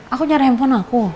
aku nyari handphone aku